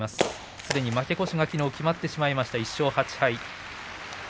すでに負け越しがきのう決まってしまいました１勝８敗。